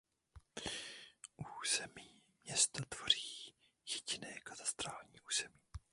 Území města tvoří jediné katastrální území.